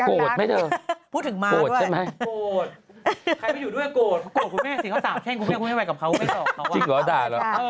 กลัวจินะ